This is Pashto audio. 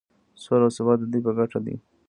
سوله او ثبات د دوی په ګټه دی.